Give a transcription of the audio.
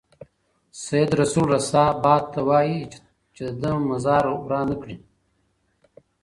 سید رسول رسا باد ته وايي چې د ده مزار وران نه کړي.